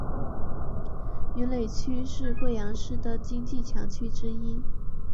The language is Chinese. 云岩区是贵阳市的经济强区之一。